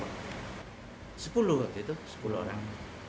sepuluh waktu itu sepuluh orang